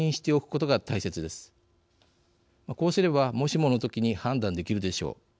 こうすれば、もしもの時に判断できるでしょう。